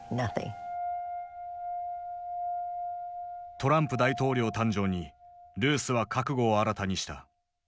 トランプ大統領誕生にルースは覚悟を新たにした。